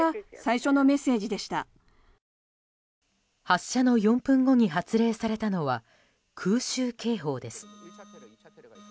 発射の４分後に発令されたのは空襲警報です。